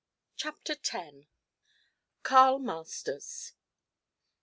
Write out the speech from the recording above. CHAPTER X. CARL MASTERS.